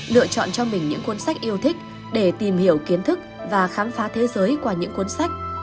lựa chọn cho mình những cuốn sách yêu thích để tìm hiểu kiến thức và khám phá thế giới qua những cuốn sách